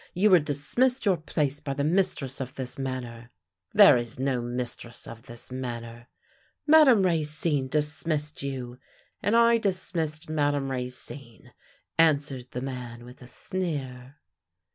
You were dis missed your place by the mistress of this manor." " There is no mistress of this manor." " Madame Racine dismissed you." " And I dismissed jNIadame Racine," answered the man, with a sneer.